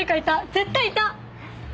絶対いた！